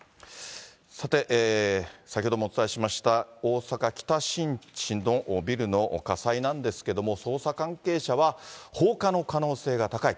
さて、先ほどもお伝えしました、大阪・北新地のビルの火災なんですけども、捜査関係者は放火の可能性が高い。